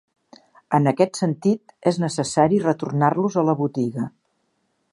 En aquest sentit és necessari retornar-los a la botiga.